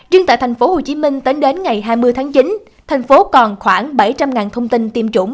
riêng tại tp hcm tính đến ngày hai mươi tháng chín thành phố còn khoảng bảy trăm linh thông tin tiêm chủng